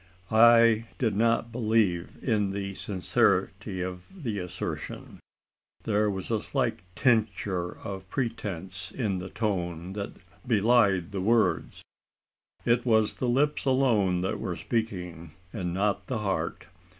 I did not believe in the sincerity of the assertion. There was a slight tincture of pretence in the tone that belied the words. It was the lips alone that were speaking, and not the heart.